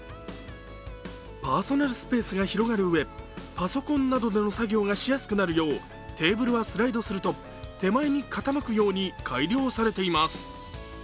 パーソナルスペースが広がるうえパソコンなどでの作業がしやすくなるようテーブルはスライドすると手前に傾くように改良されています。